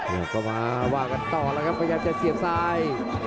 ที่เราวางต่อแล้วก็พยายามจะเสียบซ้าย